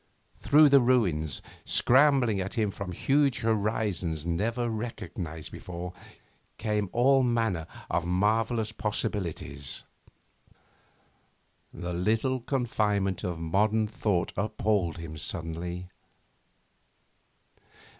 Through the ruins, scrambling at him from huge horizons never recognised before, came all manner of marvellous possibilities. The little confinement of modern thought appalled him suddenly.